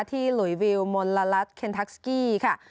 หลุยวิวมลัสเคนทักสกี้ค่ะ